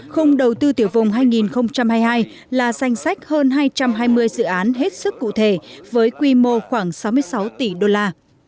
khung đầu tư tiểu vùng hai nghìn hai mươi hai là danh sách hơn hai trăm hai mươi dự án hết sức cụ thể với quy mô khoảng sáu mươi sáu tỷ đô la